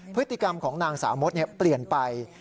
พฤติกรรมของนางสาวมดเปลี่ยนไป